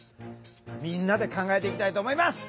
みんなで考えていきたいと思います。